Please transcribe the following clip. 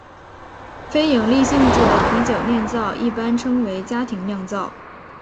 非营利性质的啤酒酿造一般称为家庭酿造。